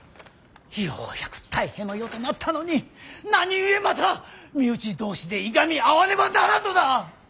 ようやく泰平の世となったのに何故また身内同士でいがみ合わねばならんのだ！